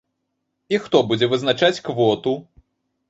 І хто будзе вызначаць квоту?